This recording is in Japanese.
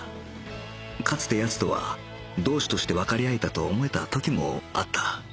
かつて奴とは同志としてわかり合えたと思えた時もあった